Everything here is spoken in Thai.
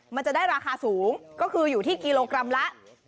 มันจะได้ราคาสูงก็คืออยู่ที่กิโลกรัมละ